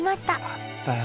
あったよ。